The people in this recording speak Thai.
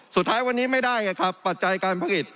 สุดท้ายวันนี้ไม่ได้ไงครับปัจจัยการผลิต